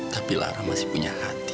tapi lara masih punya hati